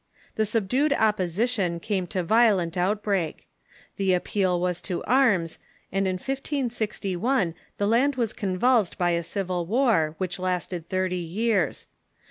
The subdued opposition came to vio lent outbreak. The appeal was to arms, and in 1501 the land was convulsed by a civil war, which lasted thirty years.